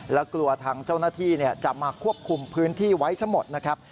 และกลัวทางเจ้าหน้าที่จะมาควบคุมพื้นที่ไว้ซะหมดนะครับ